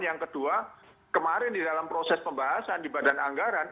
yang kedua kemarin di dalam proses pembahasan di badan anggaran